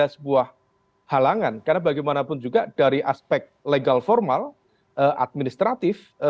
sebuah halangan karena bagaimanapun juga dari aspek legal formal administratif